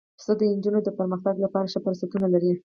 پسه د نجونو د پرمختګ لپاره ښه فرصتونه لري.